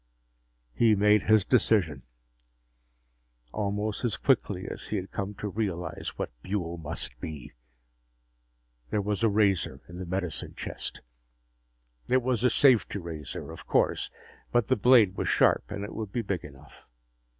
He made his decision, almost as quickly as he had come to realize what Buehl must be. There was a razor in the medicine chest. It was a safety razor, of course, but the blade was sharp and it would be big enough.